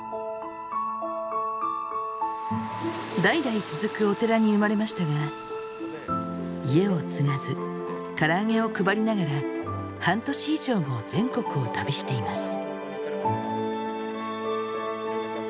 代々続くお寺に生まれましたが家を継がずからあげを配りながら半年以上も全国を旅しています。